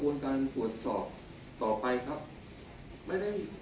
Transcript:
คุณท่านหวังว่าประชาธิบัติไม่ชอบมาตรา๔๔